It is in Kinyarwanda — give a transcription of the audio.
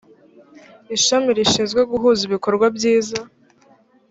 ishami rishinzwe guhuza ibikorwa byiza